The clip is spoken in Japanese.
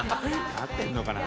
合ってるのかな。